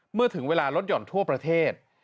เมื่อถึงเวลาลดหย่อนทั่วประเทศ